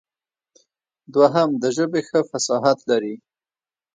دوهم د ژبې ښه فصاحت لري.